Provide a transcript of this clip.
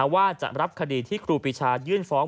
ว่าจะรับคดีที่ครูปีชายื่นฟ้อง